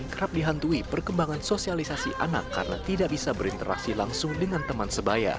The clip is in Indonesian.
kerap dihantui perkembangan sosialisasi anak karena tidak bisa berinteraksi langsung dengan teman sebaya